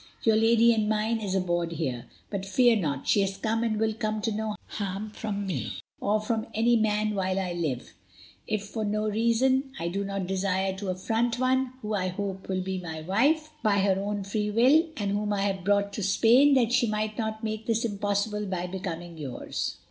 Your lady and mine is aboard here; but fear not, she has come and will come to no harm from me, or from any man while I live. If for no other reason, I do not desire to affront one who, I hope, will be my wife by her own free will, and whom I have brought to Spain that she might not make this impossible by becoming yours.